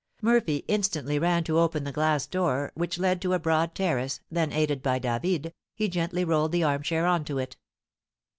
Murphy instantly ran to open the glass door, which led to a broad terrace, then, aided by David, he gently rolled the armchair on to it.